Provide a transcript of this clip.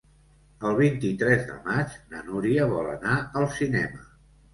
El vint-i-tres de maig na Núria vol anar al cinema.